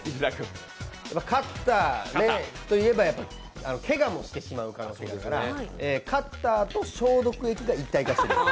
カッターといえば、けがもしてしまう可能性もあるからカッターと消毒液が一体化してる。